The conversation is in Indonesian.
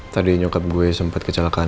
tadi nyokap gue sempat kecelakaan